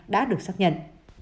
đã được xác nhận